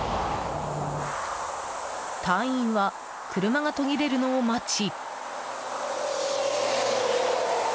隊員は、車が途切れるのを待ち。